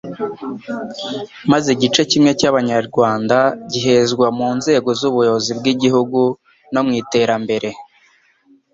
maze igice kimwe cy'Abanyarwanda gihezwa mu nzego z'ubuyobozi bw'igihugu no mu iterambere.